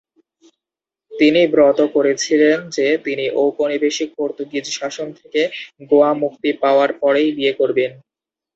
তিনি ব্রত করেছিলেন যে তিনি ঔপনিবেশিক পর্তুগিজ শাসন থেকে গোয়া মুক্তি পাওয়ার পরেই বিয়ে করবেন।